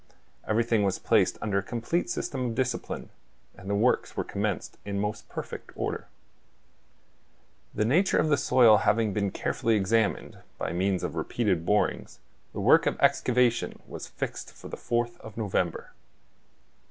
Everything was placed under a complete system of discipline, and the works were commenced in most perfect order. The nature of the soil having been carefully examined, by means of repeated borings, the work of excavation was fixed for the 4th of November.